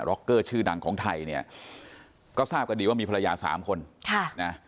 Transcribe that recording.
็อกเกอร์ชื่อดังของไทยเนี่ยก็ทราบกันดีว่ามีภรรยาสามคนค่ะนะ